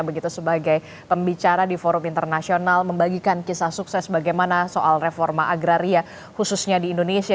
begitu sebagai pembicara di forum internasional membagikan kisah sukses bagaimana soal reforma agraria khususnya di indonesia